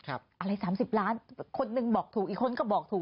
อะไร๓๐ล้านคนหนึ่งบอกถูกอีกคนก็บอกถูก